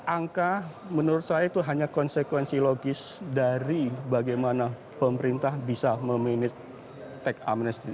angka menurut saya itu hanya konsekuensi logis dari bagaimana pemerintah bisa memanage teks amnesty